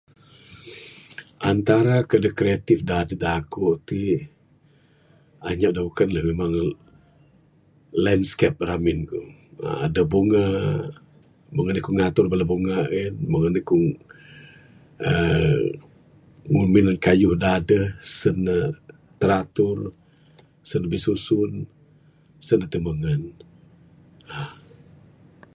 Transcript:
Antara kayuh da kreatif dadu berlaku ti anyap da beken memang landscape ramin ku adeh bunga. Meng anih ku ngatur bala bunga en meng anih ku uhh ngumit kayuh da adeh sen ne tiratur Sen ne bisusun sen ne timengen uhh.